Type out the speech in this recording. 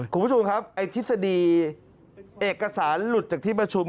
คุณผู้ชมครับไอ้ทฤษฎีเอกสารหลุดจากที่ประชุม